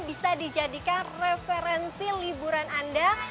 bisa dijadikan referensi liburan anda